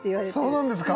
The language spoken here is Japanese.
そうなんですか。